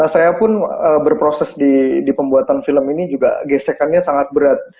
saya pun berproses di pembuatan film ini juga gesekannya sangat berat